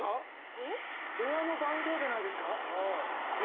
５？部屋の番号じゃないですか？